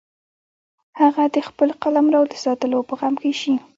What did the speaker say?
هغه د خپل قلمرو د ساتلو په غم کې شي.